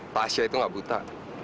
tasya itu gak buta